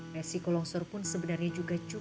resiko longsor pun sebenarnya juga cukup